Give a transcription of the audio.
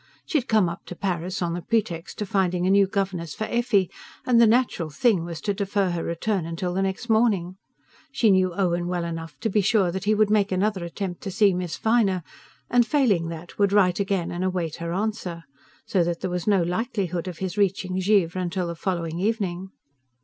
She had come up to Paris on the pretext of finding a new governess for Effie, and the natural thing was to defer her return till the next morning. She knew Owen well enough to be sure that he would make another attempt to see Miss Viner, and failing that, would write again and await her answer: so that there was no likelihood of his reaching Givre till the following evening.